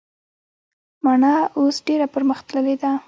مڼه اوس ډیره پرمختللي ده